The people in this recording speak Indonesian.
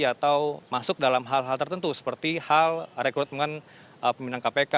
atau masuk dalam hal hal tertentu seperti hal rekrutmen pimpinan kpk